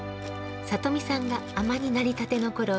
里見さんが海女になりたてのころ